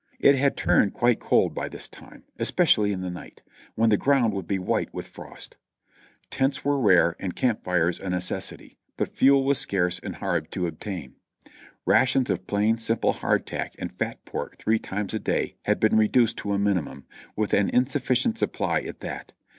It had turned quite cold by this time, especially in the night, when the ground would be white with frost. Tents were rare and camp fires a necessity, but fuel was scarce and hard to obtain. Rations of plain, simple hardtack and fat pork three times a day had been reduced to a minimum, with an insufficient supply at that.